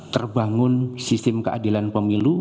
terbangun sistem keadilan pemilu